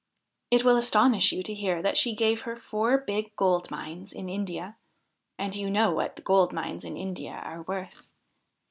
It will astonish you to hear that she gave her four big gold mines in India ; and you know what gold mines in India are worth.